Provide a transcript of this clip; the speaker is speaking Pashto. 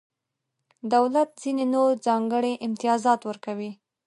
دولت ځینې نور ځانګړي امتیازونه ورکوي.